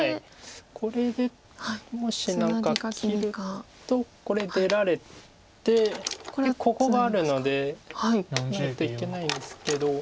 これでもし何か切るとこれ出られてここがあるのでないといけないんですけど。